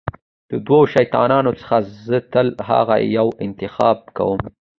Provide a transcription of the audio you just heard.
د دوو شیطانانو څخه زه تل هغه یو انتخاب کوم.